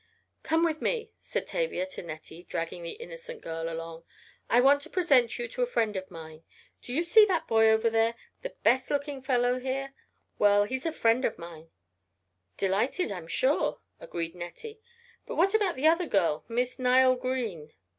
"Come with me," said Tavia to Nettie, dragging the innocent girl along. "I want to present you to a friend of mine. Do you see that boy over there? The best looking fellow here? Well, he's a friend of mine." "Delighted I'm sure," agreed Nettie. "But what about the other girl? Miss Nile Green?"